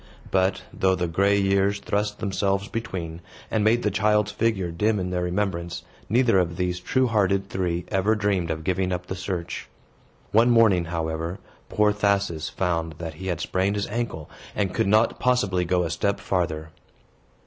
But, though the gray years thrust themselves between, and made the child's figure dim in their remembrance, neither of these true hearted three ever dreamed of giving up the search. One morning, however, poor Thasus found that he had sprained his ankle, and could not possibly go a step farther.